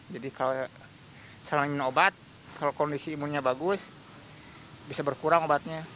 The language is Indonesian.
jadi kalau selain obat kalau kondisi imunnya bagus bisa berkurang obatnya